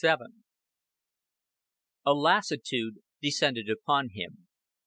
XXVII A lassitude descended upon him.